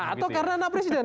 atau karena anak presiden